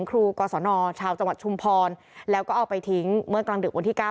ครูกศนชาวจังหวัดชุมพรแล้วก็เอาไปทิ้งเมื่อกลางดึกวันที่เก้า